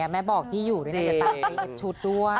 แม่บอกที่อยู่ด้วยนะเดี๋ยวตามไปเก็บชุดด้วย